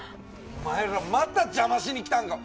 お前ら！また邪魔しに来たんか！